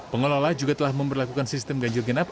pengelola juga telah memperlakukan sistem ganjil genap